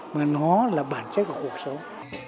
mà nó là bản chất của cuộc sống